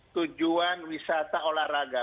tujuan wisata olahraga